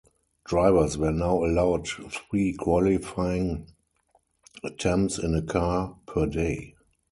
Drivers were now allowed three qualifying attempts in a car per day.